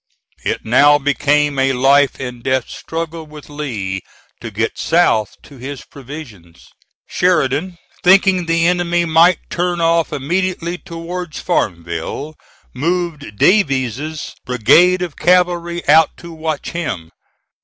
It now became a life and death struggle with Lee to get south to his provisions. Sheridan, thinking the enemy might turn off immediately towards Farmville, moved Davies's brigade of cavalry out to watch him.